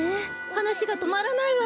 はなしがとまらないわ。